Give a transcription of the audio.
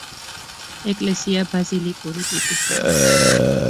ეკლესია ბაზილიკური ტიპისაა.